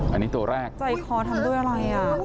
อันนี้ตัวแรกใจคอทำด้วยอะไรอ่ะ